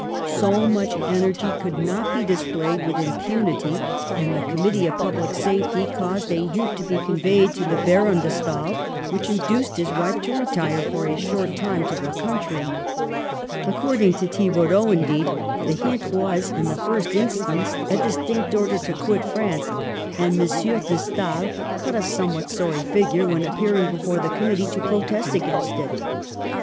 So much energy could not be displayed with impunity, and the Committee of Public Safety caused a hint to be conveyed to the Baron de Stael, which induced his wife to retire for a short time to the country. According to Thibaudeau, )igitized by VjOOQI C \ THE TRANSFORMED CAPITAL. 83 indeed, the hint was in the first instance a dis tinct order to quit France, and M. de Stael cut a somewhat sorry figure when appearing before the Committee to protest against it.